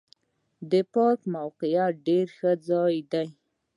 د پارک موقعیت ډېر ښه ځای دی.